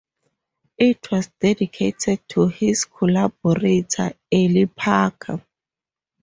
It was dedicated to his collaborator, Ely Parker.